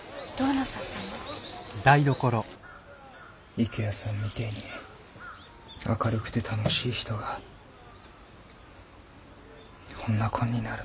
郁弥さんみてえに明るくて楽しい人がほんなこんになるなんて。